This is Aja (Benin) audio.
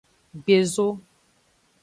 Gbezo.